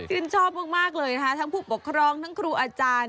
ชื่นชอบมากเลยนะคะทั้งผู้ปกครองทั้งครูอาจารย์